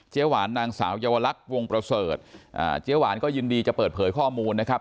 หวานนางสาวเยาวลักษณ์วงประเสริฐเจ๊หวานก็ยินดีจะเปิดเผยข้อมูลนะครับ